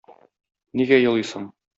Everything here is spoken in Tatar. Нигә елыйсың?